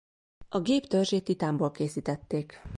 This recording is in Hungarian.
A gép törzsét titánból készítették.